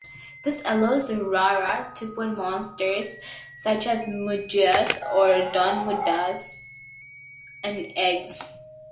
This allows "Rara" to put monsters such as Medusas or Don Medusas in eggs.